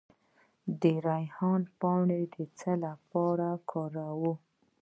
د ریحان پاڼې د څه لپاره وکاروم؟